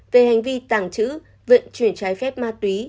về hành vi tàng trữ vận chuyển trái phép ma túy